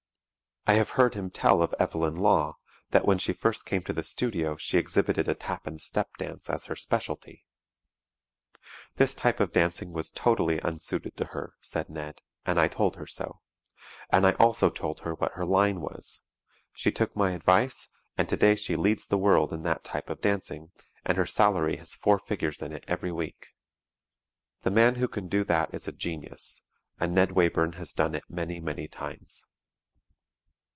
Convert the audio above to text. I have heard him tell of Evelyn Law, that when she first came to the studio she exhibited a tap and step dance as her specialty. "This type of dancing was totally unsuited to her," said Ned, "and I told her so. And I also told her what her 'line' was. She took my advice, and today she leads the world in that type of dancing, and her salary has four figures in it every week." The man who can do that is a genius, and Ned Wayburn has done it many, many times.